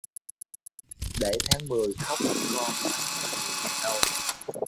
Để tháng mười khóc con nắng lìa đôi